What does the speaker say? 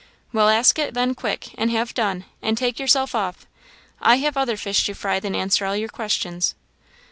"Well, ask it, then, quick, and have done, and take yourself off. I have other fish to fry than to answer all your questions."